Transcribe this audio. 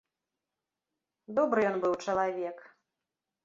Добры ён быў чалавек.